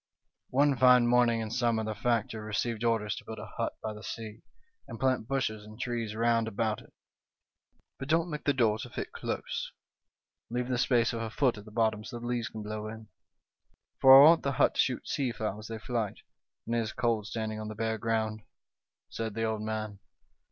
" One fine morning in summer the factor received orders to build a hut by the sea, and plant bushes and trees round about it. ' But don't make the door to fit close; leave the space of a foot at the bottom, so the leaves can blow in, for I want the hut to shoot sea fowl as they flight, and it is cold standing on the bare ground,' said the old man.